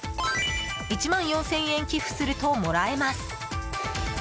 １万４０００円寄付するともらえます。